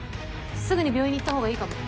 すぐに病院に行った方がいいかも。